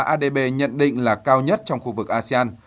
adb nhận định là cao nhất trong khu vực asean